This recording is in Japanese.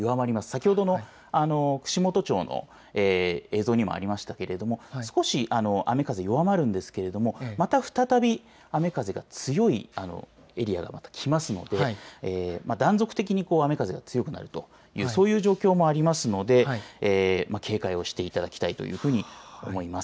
先ほど、串本町の映像にもありましたけれども少し雨風弱まるんですけれどもまた、再び雨風が強いエリアがまたきますので断続的に雨風が強くなるというそういう状況もありますので警戒をしていただきたいというふうに思います。